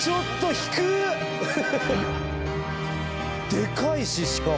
でかいししかも。